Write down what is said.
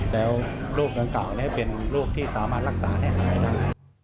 แล้วโรคต่างกล่าวเนี่ยเป็นโรคที่สามารถรักษาให้หายนะครับ